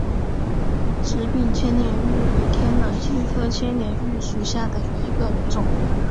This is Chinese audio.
紫柄千年芋为天南星科千年芋属下的一个种。